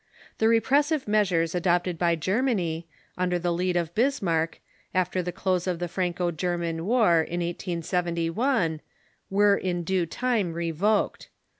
The repressive measures adopted by Germany, under the lead of Bismarck, after the close of the Franco German War, in 1871, were in due time revoked.